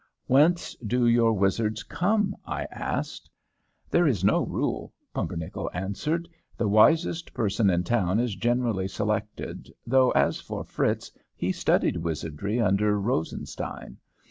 "Whence do your wizards come?" I asked. "There is no rule," Pumpernickel answered. "The wisest person in town is generally selected, though, as for Fritz, he studied wizardry under Rosenstein.